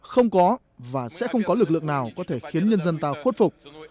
không có và sẽ không có lực lượng nào có thể khiến nhân dân ta khuất phục